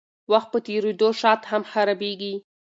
وخت په تېرېدو شات هم خرابیږي.